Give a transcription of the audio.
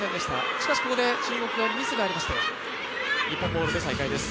しかし、ここで中国側にミスがありまして、日本ボールで再開です。